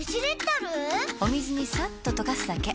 お水にさっと溶かすだけ。